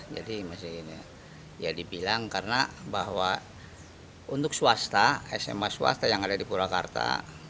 jadi masih ya dibilang karena bahwa untuk swasta sma swasta yang ada di purwakarta